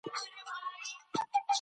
کورنۍ له ګډو مراسمو خوند اخلي